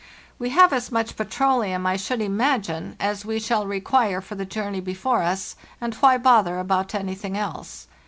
We have as much petroleum, I should imagine, as we shall require for the journey before us, and why bother about anything else?